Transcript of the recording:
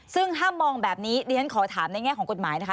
ซึ่งถ้ามองแบบนี้เรียนขอถามในแง่ของกฎหมายนะคะ